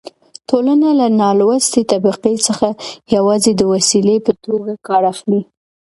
ټولنه له نالوستې طبقې څخه يوازې د وسيلې په توګه کار اخلي.